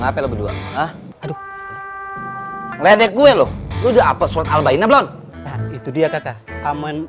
ngapain lo berdua hah aduh gede gue loh udah apa surat albainah belum itu dia kakak kaman